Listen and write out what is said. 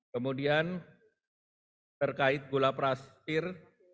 kemudian terkait gula pasir